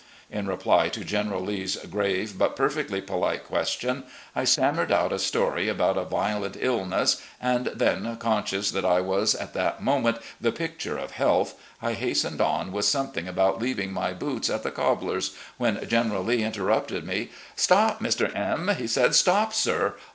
In reply to General Lee's grave but perfectly polite ques tion, I stammered out a story about a violent illness, and then, conscious that I was at that moment the picture of health, I hastened on with something about leaving my boots at the cobbler's, when General Lee interrupted me :' Stop, Mr.M ,' he said ;' stop, sir